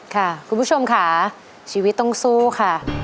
คุณผู้ชมค่ะชีวิตต้องสู้ค่ะ